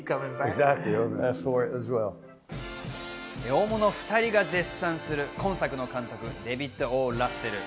大物２人が絶賛する今作の監督、デヴィット・Ｏ・ラッセル。